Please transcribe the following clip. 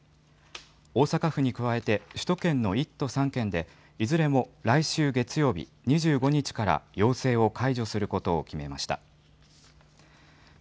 大阪府に加えて首都圏の１都３県で、いずれも来週月曜日２５日から要請を解除することを決めました。